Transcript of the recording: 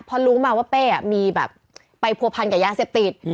เพราะรู้มาว่าเป้มีแบบไปผัวพันกับยาเสพติด